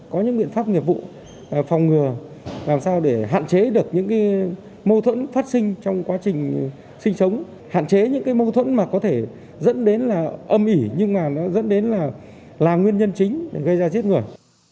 có những biện pháp nghiệp vụ phòng ngừa làm sao để hạn chế được những mâu thuẫn phát sinh trong quá trình sinh sống hạn chế những mâu thuẫn mà có thể dẫn đến là âm ỉ nhưng mà nó dẫn đến là nguyên nhân chính gây ra giết người